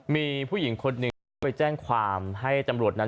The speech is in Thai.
มีผู้หญิงคนหนึ่งเขาไปแจ้งความให้ตำรวจนั้น